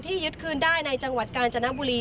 ยึดคืนได้ในจังหวัดกาญจนบุรี